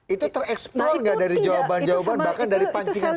itu tereksplor nggak dari jawaban jawaban bahkan dari pancingan